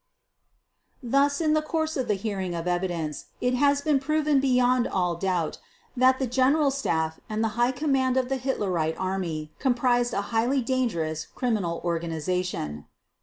Thus, in the course of the hearing of evidence it has been proven beyond, all, doubt, that the General Staff and the High Command of the Hitlerite Army comprised a highly dangerous criminal organization.